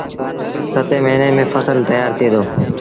ستيٚن مهيني ميݩ ڦسل تيآر ٿئيٚ دو